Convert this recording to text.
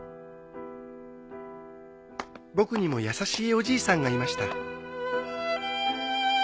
僕にも優しいおじいさんがいました。